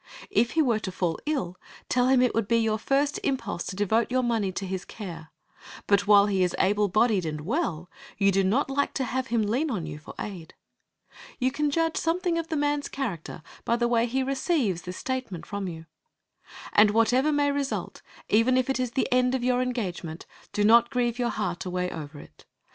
If he were to fall ill tell him it would be your first impulse to devote your money to his care; but while he is able bodied and well, you do not like to have him lean on you for aid. You can judge something of the man's character by the way he receives this statement from you. And whatever may result, even if it is the end of your engagement, do not grieve your heart away over it.